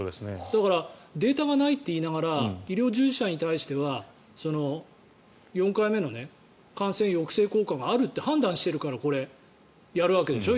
だからデータがないと言いながら医療従事者に対しては４回目の感染抑制効果があると判断しているからこれ、やるわけでしょ。